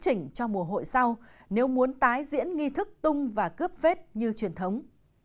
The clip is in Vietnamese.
chính trình cho mùa hội sau nếu muốn tái diễn nghi thức tung và cướp vết như truyền thống